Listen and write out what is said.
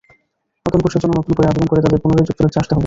নতুন কোর্সের জন্য নতুন করে আবেদন করে তাঁদের পুনরায় যুক্তরাজ্যে আসতে হবে।